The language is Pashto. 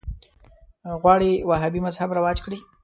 غواړي وهابي مذهب رواج کړي